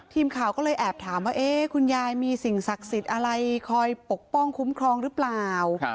ทีมข่าวก็เลยแอบถามว่าคุณยายมีสิ่งศักดิ์สิทธิ์อะไรคอยปกป้องคุ้มครองหรือเปล่า